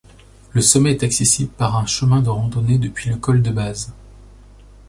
Le sommet est accessible par un chemin de randonné depuis le col de Base.